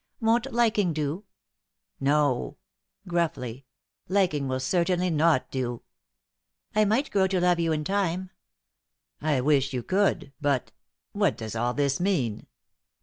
"Won't liking do?" "No," gruffly "liking will certainly not do." "I might grow to love you in time." "I wish you could but what does all this mean?"